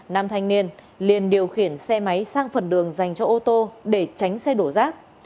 nam thanh niên liền điều khiển xe máy sang phần đường dành cho ô tô để tránh xe đổ rác